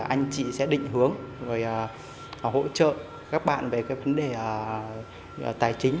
anh chị sẽ định hướng và hỗ trợ các bạn về vấn đề tài chính